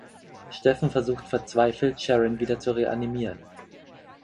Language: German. Steffen versucht verzweifelt, Sharon wieder zu reanimieren.